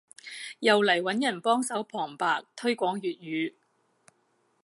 又嚟揾人幫手旁白推廣粵語